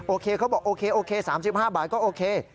โอเคเขาบอกโอเค๓๕บาทก็โอเค